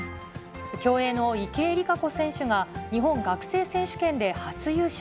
競泳の池江璃花子選手が、日本学生選手権で初優勝。